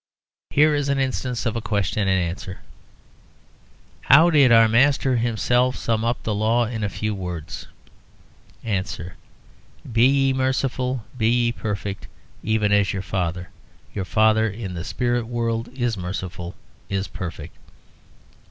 Here is an instance of question and answer: Q. "How did our Master Himself sum up the law in a few words?" A. "Be ye merciful, be ye perfect even as your Father; your Father in the spirit world is merciful, is perfect."